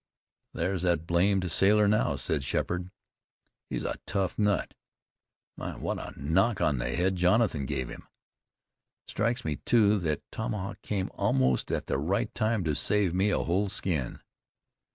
"There's that blamed sailor now," said Sheppard. "He's a tough nut. My! What a knock on the head Jonathan gave him. Strikes me, too, that tomahawk came almost at the right time to save me a whole skin."